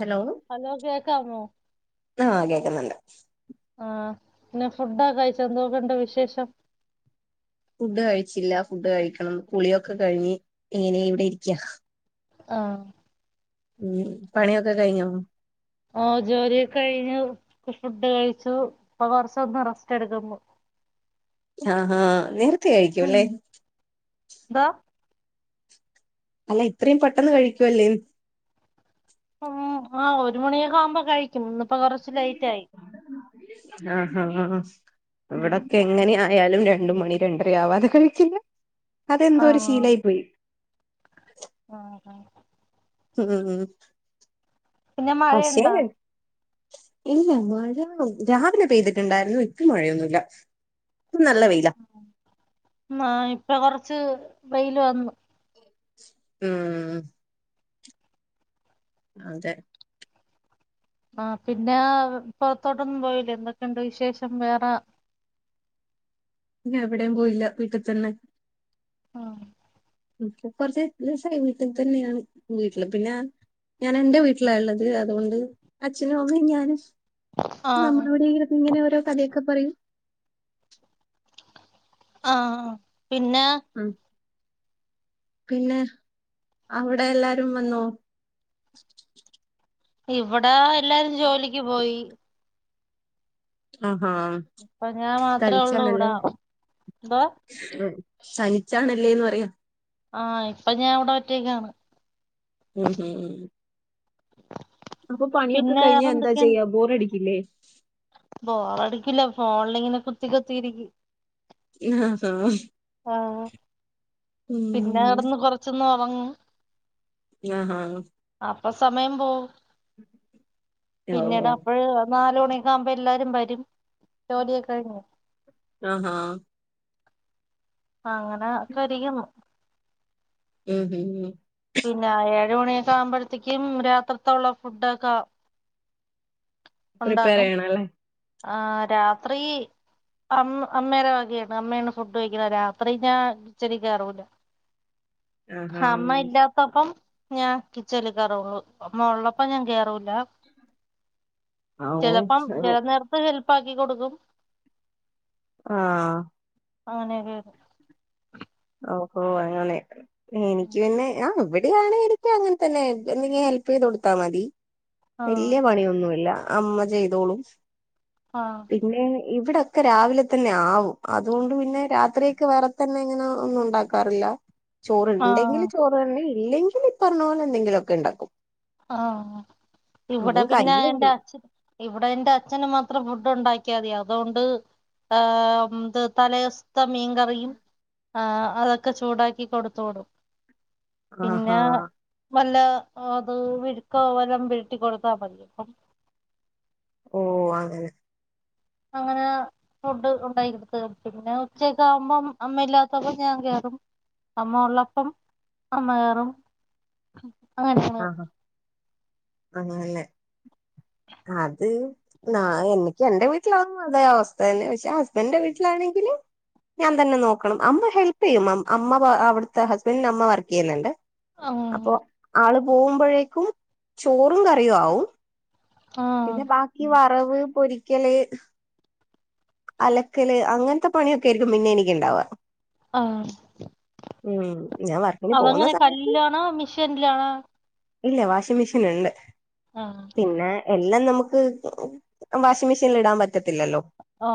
Hello hello കേക്കാമോ ആഹ് കേക്കുന്നുണ്ട് ആഹ് പിന്നെ ഫുഡ് ഒക്കെ കഴിച്ച എ ന്തൊക്ണ്ട് വിശേഷം ഫുഡ് കഴിച്ചില്ല ഫുഡ് കഴിക്കണം കുളിയൊക്കെ കഴിഞ്ഞ് ഇങ്ങനെ ഇവിടെ ഇരിക്കാ ആഹ് ഉം പണിയൊക്കെ കഴിഞ്ഞോ ഓ ജോലിയൊക്കെ കഴിഞ്ഞു ഫുഡ് കഴിച്ചു ഇപ്പൊ കുറച്ചൊന്ന് റസ്റ്റ് എടുക്കുന്നു ആഹാ നേര ഉം ന്താ അല്ല ഇത്രയും പെട്ടെന്ന് കഴിക്കുവല്ലേ ആഹ് ഒരു മണിയൊക്കെ ആവുമ്പോ കഴിക്കും ഇന്നിപ്പോ കൊറച്ച് ലൈറ്റ് ആയി ഹാ ഹാ ഹാ ഉം ഇവിടൊക്കെ എങ്ങനെ ആയാലും രണ്ട് മണി രണ്ടര ആവാതെ കളിക്കില്ല അതെന്തോ ഒരു ആഹ് ശീലായി പോയി ആഹ് ആഹ് ഉം പിന്നെ പക്ഷെ മഴയുണ്ടോ ഇല്ല മഴ രാവിലെ പെയ്തിട്ടുണ്ടായിരുന്നു ഇപ്പ മഴയൊന്നുല്ല പ്പം നല്ല വെയിലാ ന്നാ ഇപ്പ കൊറച്ച് വെയില് വന്നു ഉം അതെ ആഹ് പിന്നെ പുറത്തോട്ടൊന്നും പോയില്ലേ എന്തൊക്കെയുണ്ട് വിശേഷം വേറെ ഇല്ല എവിടെയും പോയില്ല വീട്ടിത്തന്നെ ആഹ് ഇപ്പ കൊറച്ച് ദിവസായി വീട്ടി തന്നെയാണ് വീട്ടില് പിന്നെ ഞാൻ എന്റെ വീട്ടിലാള്ളത് അതുകൊണ്ട് അച്ഛനും അമ്മയും ഞാനും ആഹ് നമ്മള ഇവിടെ ഇരുന്ന് ഇങ്ങനെ ഓരോ കഥയൊക്കെ പറയും ആഹ് പിന്നെ ഉം പിന്നെ അവിടെ എല്ലാരും വന്നോ ഇവിടെ എല്ലാരും ജോലിക്ക് പോയി ആഹാ ഇപ്പ ഞാൻ മാത്ര ഒള്ളൂ തനിച്ചാണല്ലേ ഇവിടെ എന്തൊ ഉം തനിച്ചാണല്ലേന്ന് പറയ ആഹ് ഇപ്പൊ ഞാൻ ഇവിടെ ഒറ്റേക്കാണ്. ഉം ഉം അപ്പ പണിയൊക്കെ പിന്നെ കഴിഞ്ഞ വേറെ എന്താ എന്തൊക്കെയാണ് ചെയ്യ ബോറടിക്കില്ലേ. ബോറടിക്കില്ല ഫോണിലിങ്ങനെ കുത്തിക്കുത്തിരിക്കും. ആഹ് ഹാ ആഹ്പിന്നെ കെടെന്ന് കൊറച്ചൊന്ന് ഒറങ്ങും ആഹ് ഹാ അപ്പ സമയം പോകും പിന്നീട് ഓ അപ്പഴേ നാല് മണിയക്കെ ആവുമ്പോ എല്ലാരും വരും ജോലിയക്കെഴിഞ്ഞ് ആഹ് ഹാ അങ്ങനെ ഒക്കെരിക്കുന്നു ഏ പിന്നെ പിന്നെ ഏഴ് മണിയൊക്ക ആകുമ്പോഴത്തേക്കും രാത്രതുള്ള ഫുഡൊക്കെ പ്രിപ്പയർ ഉണ്ടാകും ചെയ്യണം അല്ലേ. ആഹ് രാത്രി അമ്മ അമ്മേയുടെ വകയാണ് അമ്മയണ് ഫുഡ് കഴിക്കുന്ന രാത്രി ഞാൻ കിച്ചണിൽ കേറൂല. ആഹാ ഹമ്മ ഇന്റ പ്പ ത്തപ്പം ഞാൻ കിച്ചണിൽ കയറുള്ളൂ അമ്മ ഉള്ളപ്പ ഞാൻ കേറൂല്ല. ഓ ചിലപ്പം ചില നേരത്ത് ഹെൽപ്പ് ആക്കി കൊടുക്കും ആഹ അങ്ങനെക്കെ ആയിരിക്കും ഓഹോ അങ്ങനെ എനിക്ക് പിന്നെ ഞ ഇവര് എവിടെണങ്കി എനിക്ക് അങ്ങനെ തന്നെ എന്തെങ്ക ഹെൽപ് ചെയ്ത് കൊടുത്താ മതി ആഹ് വല്യ പണിയൊന്നുമില്ല അമ്മ ചെയ്തോളും ആഹ പിന്നെ ഇവിടെക്കെ രാവിലെ തന്നെ ആവും അതുകൊണ്ട് പിന്നെ രാത്രിയൊക്കെ വേറെ തന്നെ ഇങ്ങനെ ന്നും ഉണ്ടാക്കറില്ല ആഹ് ചോറുണ്ടെങ്കില് ചോറ് ഇല്ലെങ്കിൽ പറഞ്ഞ പോലെ എന്തെങ്കിലു ഒക്കെ ഉണ്ടാക്കും ആഹ ഇവിടെ അതും പിന്നെ എന്റെ കയ്യിലെങ്കിൽ അഛന് ഇവിടെ എന്റെ അച്ഛന് മാത്രം ഫുഡ് ഉണ്ടാക്കിയാതി അതുകൊണ്ട് ഹ് ഇത് തല സത്തെ മീൻകറിയും ആ അതൊക്കെ ചൂടാക്കി കൊടുത്ത് വിടും. ആഹാ പിന്നെ വല്ല അത് വിടുക്ക വല്ലാം വീട്ടി കൊടുത്താൽ മതി അപ്പം ഓ അങ്ങനെ അങ്ങനെ ഫുഡ് ഉണ്ടായിടുത്ത പിന്നെ ഉച്ചക്കേ ആകുമ്പം അമ്മ ഇല്ലാത്തൊക്കെ ഞാൻ കേറും അമ്മ ഉള്ളപ്പം അമ്മ കയറും ആഹഹ അങ്ങനെ അത് ന എനിക്ക് എന്റെ വീട്ട വീട്ടലാകുമ്പോ അതായെ അവസ്ഥ തന്നെ പക്ഷെ ആ ഹസ്ബൻന്റെ വീട്ടിലാണെങ്കില് ഞാൻ തന്നെ നോക്കണം അമ്മ ഹെൽപ് ചെയ്യും അമ്മ അവിടുത്തെ ഹസ്ബൻന്റി അമ്മ വർക്ക് ചെയ്യുന്നുണ്ട് ആഹ് അപ്പൊ ആള് പോകുമ്പോഴേക്കും ചോറും കറിയും ആവും ആഹ് പിന്നെ ബാക്കി വറവ് പൊരിക്കല് അലക്കല് അങ്ങനത്തെ പണിയൊക്കെ ആയിരിക്കും പിന്നെ എനക്ക്ണ്ടാവാ ആ ഞാൻ വർക്കിന് പോകുന്ന അതെങ്ങനെ സമയത്ത് കല്ലിലാണോ മിഷൻലാണോ? ഇല്ല വാഷിംഗ് മെഷീൻ ഇണ്ട് ആഹ പിന്നെ എല്ലാം നമുക്ക് വാഷിം മെഷീനിൽ ഇടാൻ പറ്റത്തില്ലല്ലോ ഓ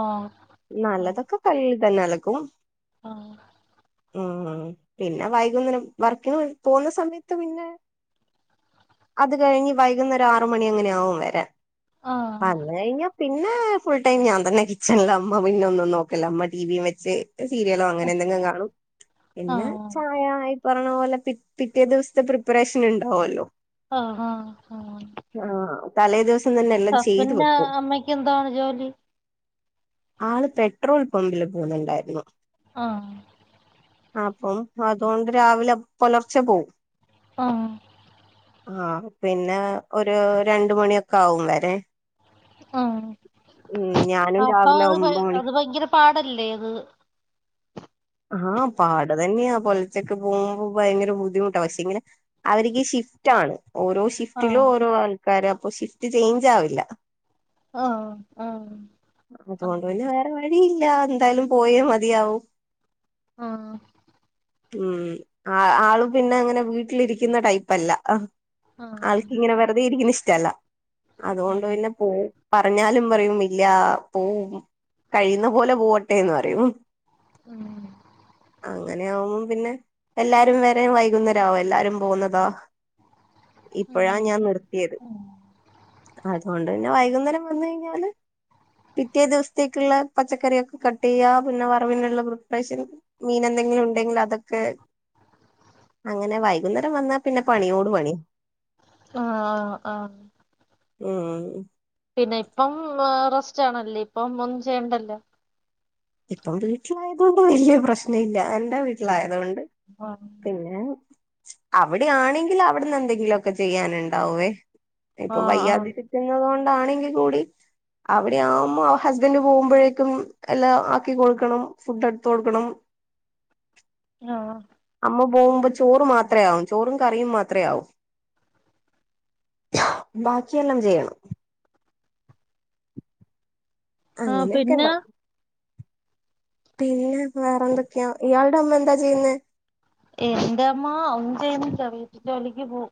നല്ലതൊക്കെ കല് തന്നെ അലകും ആഹ ഉ പിന്നെ വൈകുന്നേരം വർക്കി പോകുന്ന സമയത്ത് പിന്നെ അത് കഴിഞ്ഞ് വൈകുന്നേരം ആറ മണി അങ്ങനെയ ആകും വരാ ആഹ് വന്ന കഴിഞ്ഞ പിന്നെ ഫുൾ ടൈം ഞാൻ തന്നെ കിച്ചണിലില് അമ്മ പിന്നെ ഒന്നും നോക്കല അമ്മ ടിവിയും വെച്ച് സീരിയലോ അങ്ങനെ എന്തെങ്കിലും കാണും ആഹ് പിന്നെ ആഹ് ചായ പറഞ്ഞ പോലെ പിറ്റേ ദിവസത്തെ പ്രിപ്പറേഷൻ ഉണ്ടാവല്ലോ ഹഹ ആഹ ആഹ തലേ ദിവസം തന്നെ എല്ലാം ചെയ്തു ഹസ്ബൻഡിന്റെ വെക്കും അമ്മയ്ക്ക് എന്താണ് ജോലി ആള് പെട്രോൾ പമ്പില് പോകുന്നുണ്ടായിരുന്നു ആഹ് അപ്പം അതുകൊണ്ട് രാവിലെ പുലർച്ചെ പോകവും ആഹ ആ പിന്നെ ഒരു രണ്ട മണിയൊക്കെ ആവും വരാൻ ആ ഉം ഞാനും അപ്പൊ രാവിലെ അത് ഒമ്പത് മണി അത് ഭയങ്കര പാടല്ലേ അത് ആഹ് പാട തന്നെയാ പോലത്തക്ക് പോകുമ്പോ ഭയങ്കര ബുദ്ധിമട്ടാ പക്ഷെ ഇങ്ങനെ അവർക്ക് ഷിഫ്റ്റ് ആണ് ഓരോ ഷിഫ്റ്റിലും ആഹ് ഓരോ ആൾക്കാര് അപ്പൊ ഷിഫ്റ്റ് ചേഞ്ച് ആവില്ല ആഹ് ആഹ് ആഹ് അതുകൊണ്ട് പിന്നെ വേറെ വഴിയില്ല എന്തായാലും പോയേ മതിയാവും ആഹ ഉം ആഹ ആള് പിന്നെ അങ്ങനെ വീട്ടിലിരിക്കുന്ന ടൈപ്പല്ല ആഹ് ആൾക്കിങ്ങനെ വെറുതെ ഇരിക്കുന്ന ഇഷ്ടല്ല ഉം അതുകൊണ്ട് പിന്നെ പോ പറഞ്ഞാലും പറയും ഇല്ല പോവും കഴിയുന്ന പോലെ പോവട്ടെന്ന് പറയും അങ്ങനെയ ആകുമ്പം പിന്നെ എല്ലാരും വേറെ വൈകുന്നേര എല്ലാരും പോന്നതാ ഇപ്പഴാ ഉം ഞാൻ നിർ അതുകൊണ്ട്ന്നെ വൈകുന്നേരം വന്ന കഴിഞ്ഞാല് പിറ്റേ ദിവസത്തേക്കുള്ള പച്ചക്കറിയൊക്കെ കട്ട് ചെയ്യാ പിന്നെ വറവിനള്ള പ്രിപ്രേഷൻ മീനെന്തെങ്കിലും ഉണ്ടെങ്കിൽ അതൊക്കെ അങ്ങനെ വൈകുന്നേരം വന്നാ പിന്നെ പണിയോട് പണി ആഹ ആാാ മ്മ് പിന്നെ ഇപ്പം റസ്റ്റ് ആണല്ലേ ഇപ്പം ഒന്നും ചെയ്യണ്ടല്ലോ ഇപ്പം വീട്ടിലായതൊണ്ട് വലിയ പ്രശ്ന ഇല്ല എന്റെ വീട്ടിലായതുകൊണ്ട് ആ പിന്നെ അവിടെയാണെങ്കിൽ അവിടെന്ന് എന്തെങ്കിലുമൊക്കെ ചെയ്യാനുണ്ടാകുവേ ഇപ്പൊ ആ വയ്യാ ആ [inaudible] [inaudible] ണ്ടാണെങ്കിൽ കൂടി അവിടെയാകുമ്പോ ഹസ്ബൻഡ് പോകുമ്പോഴേക്കും എലം ആക്കി കൊടുക്കണം ഫുഡ് എടുത് കൊടുക്കണം ആഹ അമ്മ പോകുമ്പോ ചോറ് മാത്രയാവും ചോറും കറിയും മാത്ര ആവും ബാക്കിയെല്ലാം ചെയ്യണം ആ അങ്ങനെയൊക്കെ പിന്നെ ഉണ്ടാവും പിന്നെ വേറെന്തൊക്കെയാ ഇയാളുടെ അമ്മ എന്താ ചെയ്യുനെ എന്റെമ്മ ഒനും ചെയ്യുനില വീട് ജോലിക്ക് പോവും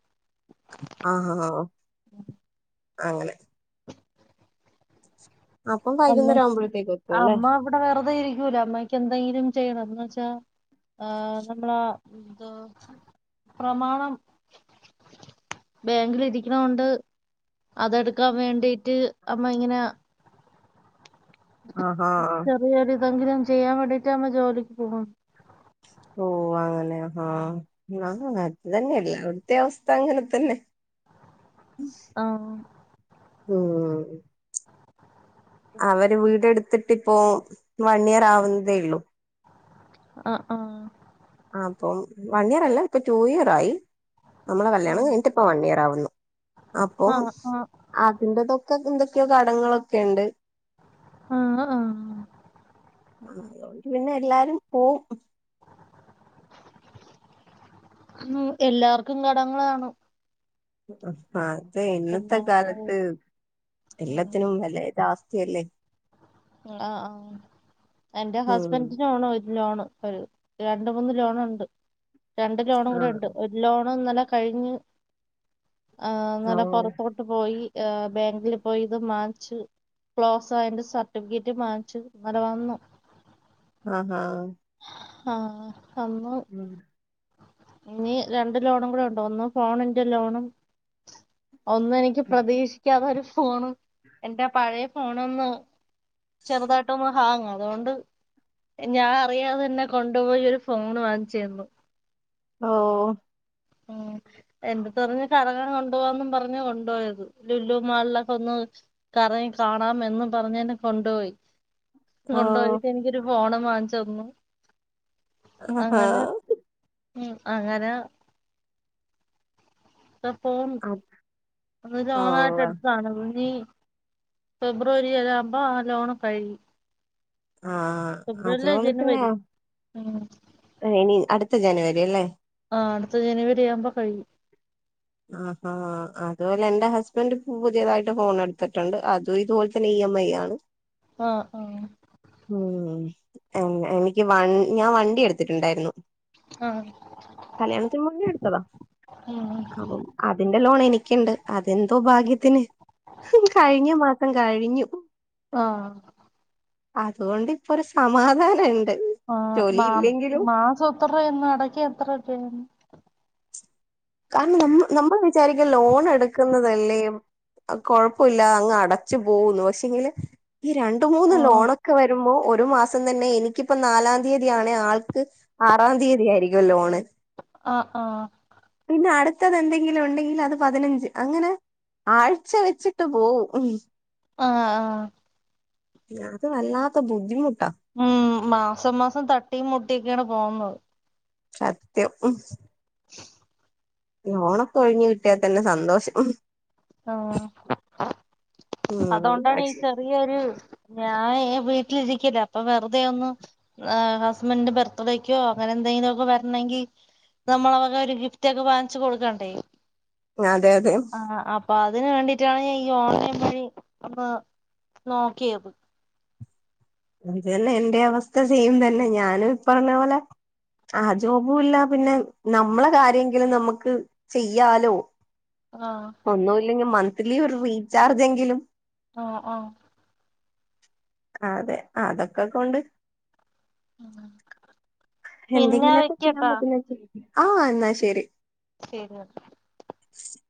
ആഹ അങ്ങനെ അപ്പം വൈകുന്നേരം അമ്മക്ക് ആവുമ്പോഴത്തേക്ക് എത്തും അല്ലേ അമ്മ ഇവിടെ വെറുതെ ഇരിക്കൂല അമ്മയ്ക്ക് എന്തെങ്കിലും ചെയ്യണം എന്ന് വെച്ചാ ആഹ നമ്മള പ്രമാണം ബാങ്കിൽരിക്കണ കൊണ്ട് അതെടുക്കാൻ വേണ്ടിട്ട് അമ്മ ഇങ്ങനെ ആഹാ ചെറിയൊരിതെങ്കിലും ചെയ്യാൻ വേണ്ടിയിട്ട് നമ്മ ജോലിക്ക് പോകും ഓ അങ്ങനെ ആഹാ ആഹ അത് തന്നെ എല്ലടത്തെ അവസ്ഥ അങ്ങനെ തന്നെ ആഹ ഉം അവര് വീടെടുത്തിട് ഇപ്പോ വൺയർ ആവുന്നതേ ഉള്ളൂ ആഹ ആഹ ആഹ അപ്പോ വൺ ഇർ അല്ല ഇപ്പൊ ടു ഇയർ ആയി നമ്മളെ കല്യാണം ഉം കഴിഞ്ഞിട്ട് ഇപ്പ വൺ ഇയർ ആവുന്നു അപ്പം ആഹ് ആഹ് അതിന്ന്റെതൊക്കെ എന്തൊക്കെയോ കടങ്ങളൊക്കെ ഉണ്ട് [inaudible] പിന്നെ എല്ലാരും പോവും മ് എല്ലാർക്കും കടങ്ങളാണ് കാണും അതെ ഇന്നത്തെ പിന്നെ അത് കാലത്ത് എല്ലാത്തിനും വില [inaudible] അവസ്ഥയല്ലേ ആഹ ആഹ എന്റെ ഉം ഹസ്ബൻഡിനോഓണ് ലോണ് ഒരു രണ്ട് മൂന്ന് ലോണ ഉണ്ട് രണ്ട് ലോണും കൂടെ ആഹ് ഉണ്ട് ഒരു ലോൺ ഇന്നലെ കഴിഞ്ഞ് ആഹാ ഓ ഇന്നലെ പുറത്തോട്ട് പോയി [inaudible] ബാങ്കിൽ പോയി ഇത് മാർച്ച് ക്ലോസ് ആയറെ സർട്ടിഫിക്കറ്റ് വങ്ങിച് ഇന്നലെ വാന്നു ആഹ ആഹ ആഹ് അമ്മ ഉം ഇനി രണ്ട് ലോണും കൂടെ ഉണ്ട ഒന്നും ഫോണിന്റെ ലോണും ഒന്ന എനിക്ക് പ്രതീക്ഷിക്കാതെ ഒരു ഫോണും എന്റെ പഴയ ഫോണ ഒന്ന് ചെറുതായിട്ടൊന്ന് ഹാങ്ങ അതുകൊണ്ട് ഞാ അരിയാതെ തന്നെ കൊണ്ടുപോയി ഒരു ഫോൺ വാങ്ങിച്ചു തന്നു ഓ ഉം എന്റെ അടുത്ത് കറങ്ങാൻ കൊണ്ട പോവാന്നും പറഞ്ഞ് കൊണ്ടുപോയത് ലുല്ലു മാളിലൊക്കെ ഒന്ന് കറങ്ങി കാണാം എന്നും പറഞ്ഞ് എന്നെ കൊണ്ടുപോയി ഓ കൊണ്ടപോയിട്ട് എനിക്കൊരു ഫോൺ വാങ്ങിച്ച തന്നു ആഹാ അങ്ങനെ ഉം അങ്ങാനെ അപ്പോ അത് ഒന്ന് ഓ ലോണായിട്ട് എടുത്തതാണ് ഇനി ഫെബ്രുവരി ഒര ആകുമ്പോ ആഹ് ലോൺ കഴിയും ആഹ് ഫെബ്രുവരില്ല അതുപോലെ തന്നെ ജനുവരി ഉം ഇനി അടുത്ത ജനുവരി അല്ലേ ആഹ് അടുത്ത ജനുവരി ആവുമ്പോ കഴിയും ആഹ് ആഹ് അതുപോലെ എന്റെ ഹസ്ബൻഡ് പുതിയതായിട്ട് ഫോൺ എടുത്തിട്ടുണ്ട് അതും ഇതുപോലെ തന്നെ ഇ എം ഐ ആണ് ആഹ് ആഹ് ഉം എനിക്ക് വ ഞാൻ വണ്ടി എടുത്തിട്ടുണ്ടായിരുന്നു ആഹ് കല്യാണത്തിന് മുന്നേ എടുത്തതാ ഉം അപ്പം അതിന്റെ ലോൺ എനിക്കുണ്ട് അതെന്തോ ഭാഗ്യത്തിന് കഴിഞ്ഞ മാസം കഴിഞ്ഞു ആഹ് അതുകൊണ്ട് ഇപ്പൊ ഒരു സമാധാനം ഉണ്ട് ആഹ് മാ മാസം എത്രയന്ന് അടക്ക എത്ര രുപരുന്നു കാരണം നമ്മ നമ്മൾ വിചാരിക്ക ലോൺ എടുക്കുന്നതല്ലേ കൊഴപ്പില്ല അങ്ങ് അടച്ചു പോകുന്നു പക്ഷെങ്കില് ഈ രണ്ട് മൂന്ന് ഓഹ് ലോണൊക്കെ വരുമ്പോ ഒരു മാസം പ്പം തന്നെ എനിക്കിപ്പ നാലാ തീയതിയാണെ ആൾക്ക് ആറാ തീയതി ആയിരിക്കും ലോണ്. ആഹ് ആഹ് പിന്നെ അടുത്തത് എന്തെങ്കിലും ഒണ്ടെങ്കി അത് പതിനഞ്ച് അങ്ങനെ ആഴ്ച വെച്ചിട്ട് പോവും ആഹ് ആഹ് അത് വല്ലാത്ത ബുദ്ധിമുട്ടാ. ഉം മാസം മാസം തട്ടിം മുട്ടിക്ക്യാണ് പോന്നത്. സത്യം ഉം [inaudible] ലോണൊക്കെ ഒഴിഞ്ഞ് കിട്ട്യാ തന്നെ സന്തോഷം ആഹ് അതോണ്ടാണ് ഈ ഉം ചെറിയൊരു ഞാഹെ വീട്ടിലിരിക്കല്ലെ അപ്പൊ വെറുതെ ഒന്ന് ആഹ് ഹസ്ബന്റ് ബർത്ത്ഡേക്കോ അങ്ങനെ എന്തെങ്കിലു ഒക്കെ വരണെങ്കി നമ്മള വക ഒരു ഗിഫ്റ്റ് ഒക്കെ വാങ്ങിച്ച് കൊടുക്കാണ്ടേ? അതെ അതെ. ആഹ് അപ്പൊ അതിന് വേണ്ടീട്ടാണ് ഞ ഈ ഓൺലൈൻ വഴി അപ്പാ നോക്കിയത് ഇത് തന്നെ എന്റെ അവസ്ഥ സെയിം തന്നെ ഞാനും ഈ പറഞ്ഞ പോലെ ആഹ് ജോബും ഇല്ല പിന്നെ നമ്മളെ കാര്യങ്കിലും നമക്ക് ചെയ്യാലോ. ആഹ് ഒന്നുല്ലെങ്കി മന്ത്ലി ഒരു റീചാർജ് എങ്കിലും ആ ആഹ് ആ അതെ അതൊക്കെ കൊണ്ട് [inaudible] പിന്നെ എന്തെങ്കിലൊക്കെ വെക്കട്ടാ ചെയ്യാപറ്റുന്നെ ചെയ് ആ് എന്നാ ശെരി. ശരി [unintelligible] [inaudible]